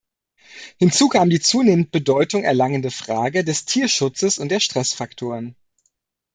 Hinzu kam die zunehmend Bedeutung erlangende Frage des Tierschutzes und der Stressfaktoren.